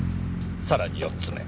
さらに４つ目。